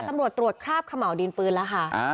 แต่ตำรวจตรวจคราบขะเหมาดินปืนแล้วค่ะ